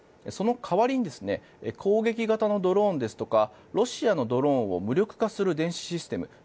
その代わりに攻撃型のドローンですとかロシアのドローンを無力化する電子システム